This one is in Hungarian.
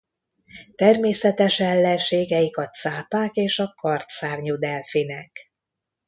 Természetes ellenségeik a cápák és a kardszárnyú delfinek.